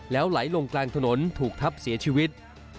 ไหลลงกลางถนนถูกทับเสียชีวิต